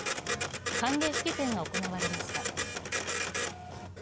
歓迎式典が行われました。